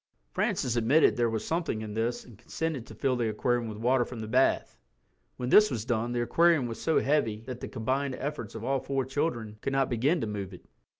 Francis admitted that there was something in this and consented to fill the aquarium with water from the bath. When this was done the aquarium was so heavy that the combined efforts of all four children could not begin to move it.